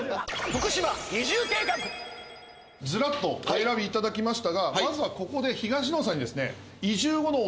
ずらっとお選びいただきましたがまずはここで東野さんに。